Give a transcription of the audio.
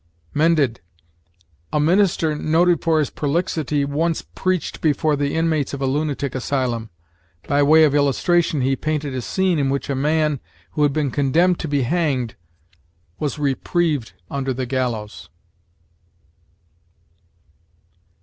Mended: "A minister, noted for his prolixity, once preached before the inmates of a lunatic asylum. By way of illustration he painted a scene in which a man, who had been condemned to be hanged, was reprieved under the gallows."